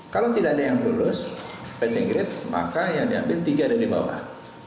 kalau tidak ada yang lolos passing grade maka yang diambil tiga ada di bawah